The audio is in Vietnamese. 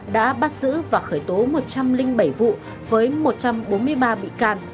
đã bắt giữ và khởi tố một trăm linh bảy vụ với một trăm bốn mươi ba bị can